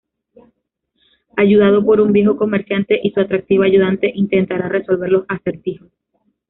Ayudado por un viejo comerciante y su atractiva ayudante, intentará resolver los acertijos.